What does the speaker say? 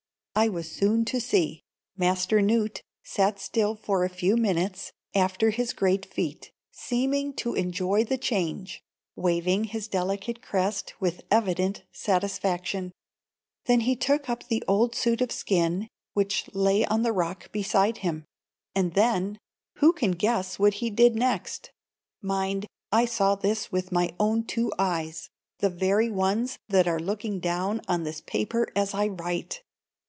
I was soon to see. Master Newt sat still for a few minutes after his great feat, seeming to enjoy the change, waving his delicate crest with evident satisfaction; then he took up the old suit of skin, which lay on the rock beside him. And then,—who can guess what he did next? Mind, I saw this with my own two eyes, the very ones that are looking down on this paper as I write.